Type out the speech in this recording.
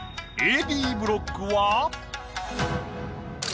Ａ・Ｂブロックは。